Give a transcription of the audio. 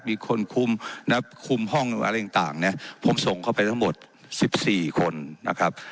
มีคนคุมนะครับคุมห้องอะไรต่างเนี้ยผมส่งเข้าไปทั้งหมดสิบสี่คนนะครับ